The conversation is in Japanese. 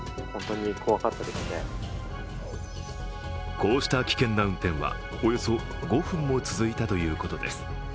こうした危険な運転はおよそ５分も続いたということです